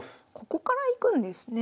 ここからいくんですね。